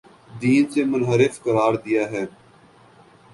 دین سے منحرف قرار دیا ہے